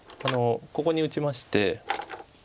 ここに打ちまして。